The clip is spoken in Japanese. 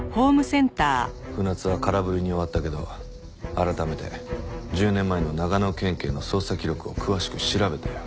船津は空振りに終わったけど改めて１０年前の長野県警の捜査記録を詳しく調べたよ。